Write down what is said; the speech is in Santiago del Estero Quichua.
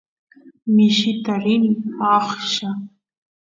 mishita rini aqlla